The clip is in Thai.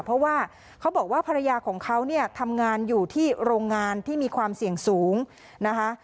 เพราะว่าเขาบอกว่าภรรยาของเขาเนี่ยทำงานอยู่ที่โรงงานที่มีความเสี่ยงสูงนะคะ